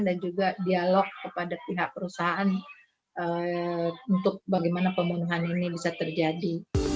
dan juga dialog kepada pihak perusahaan untuk bagaimana pembunuhan ini bisa terjadi